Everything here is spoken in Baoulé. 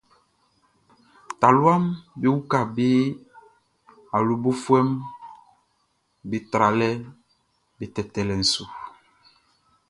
Taluaʼm be uka be awlobofuɛʼm be tralɛʼm be tɛtɛlɛʼn su.